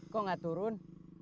kok gak turun